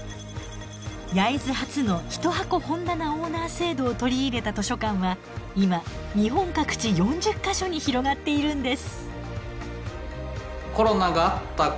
焼津発の一箱本棚オーナー制度を取り入れた図書館は今日本各地４０か所に広がっているんです。